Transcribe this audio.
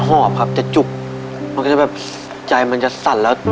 ทับผลไม้เยอะเห็นยายบ่นบอกว่าเป็นยังไงครับ